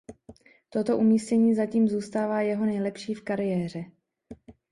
Toto umístění zatím zůstává jeho nejlepší v kariéře.